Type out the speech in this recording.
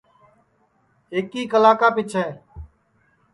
ایک کلا کا پیچھیں